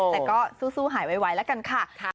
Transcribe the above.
แต่ก็สู้หายไวแล้วกันค่ะ